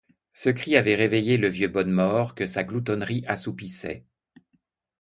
Ce cri avait réveillé le vieux Bonnemort, que sa gloutonnerie assoupissait.